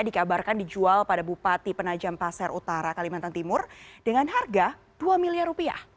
dikabarkan dijual pada bupati penajam pasar utara kalimantan timur dengan harga rp dua miliar